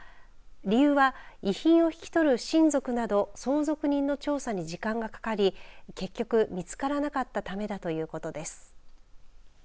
理由は遺品を引き取る親族など相続人の調査に時間がかかり結局見つからなかったためだということです。